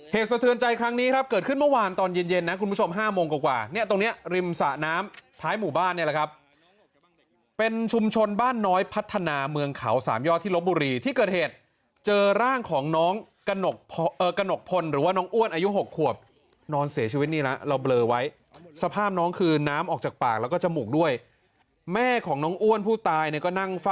สะเทือนใจครั้งนี้ครับเกิดขึ้นเมื่อวานตอนเย็นเย็นนะคุณผู้ชม๕โมงกว่าเนี่ยตรงเนี้ยริมสะน้ำท้ายหมู่บ้านเนี่ยแหละครับเป็นชุมชนบ้านน้อยพัฒนาเมืองเขาสามยอดที่ลบบุรีที่เกิดเหตุเจอร่างของน้องกระหนกพลหรือว่าน้องอ้วนอายุ๖ขวบนอนเสียชีวิตนี่นะเราเบลอไว้สภาพน้องคือน้ำออกจากปากแล้วก็จมูกด้วยแม่ของน้องอ้วนผู้ตายเนี่ยก็นั่งฝ